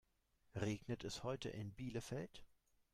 Regnet es heute in Bielefeld?